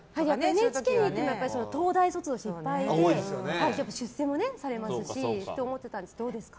ＮＨＫ行っても東大卒の人もいっぱいいて出世もされますしと思ってたんですけど、どうですか。